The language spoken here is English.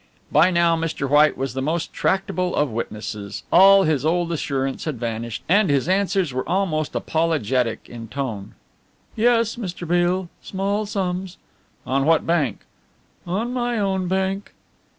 By now Mr. White was the most tractable of witnesses. All his old assurance had vanished, and his answers were almost apologetic in tone. "Yes, Mr. Beale, small sums." "On what bank?" "On my own bank."